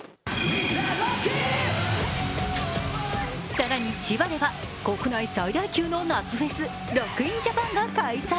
更に千葉では国内最大級の夏フェス、ＲＯＣＫＩＮＪＡＰＡＮが開催。